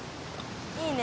いいね。